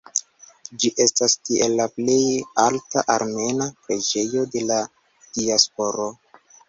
Ĝi estas tiel la plej alta armena preĝejo de la diasporo.